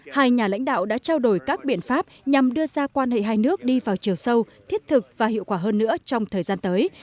hai nhà lãnh đạo đã trao đổi các biện pháp nhằm đưa ra quan hệ hai nước đi vào chiều sâu thiết thực và hiệu quả hơn nữa trong thời gian tới